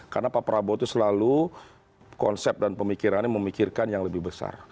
karena pak prabowo itu selalu konsep dan pemikirannya memikirkan yang lebih besar